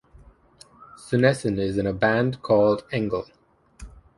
Sunesson is in a band called Engel.